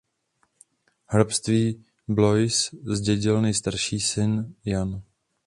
Hrabství Blois zdědil nejstarší syn Jan.